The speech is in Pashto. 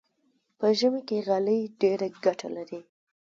په ژمي کې غالۍ ډېره ګټه لري.